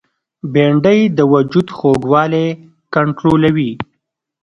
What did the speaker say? بېنډۍ د وجود خوږوالی کنټرولوي